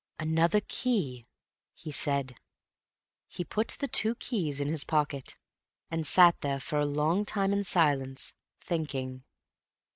"Another key," he said. He put the two keys in his pocket, and sat there for a long time in silence, thinking.